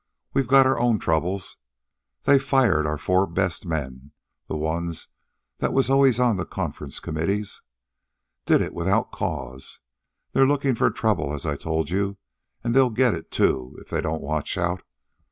We got our own troubles. They've fired our four best men the ones that was always on the conference committees. Did it without cause. They're lookin' for trouble, as I told you, an' they'll get it, too, if they don't watch out.